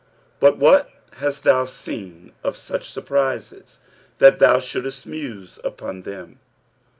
But what hast thou seen of such surprises that thou shouldst muse upon them?'